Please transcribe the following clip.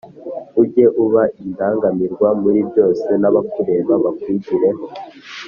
ujye uba indangamirwa muri byose nabakureba bakwigireho .